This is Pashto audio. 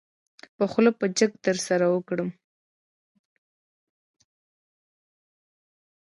په خوله به جګ درسره وکړم.